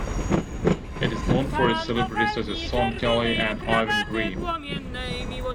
It is known for its celebrities such as Sean Kelly and Ivan Greene.